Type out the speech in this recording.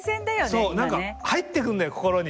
そう何か入ってくんだよ心に。